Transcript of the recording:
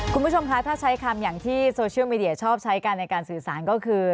คุณผู้ชมคะถ้าใช้คำอย่างที่โซเชียลมีเดียชอบใช้กันในการสื่อสารก็คือ